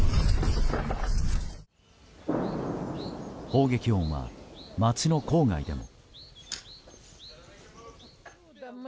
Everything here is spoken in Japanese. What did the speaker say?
砲撃音は街の郊外でも。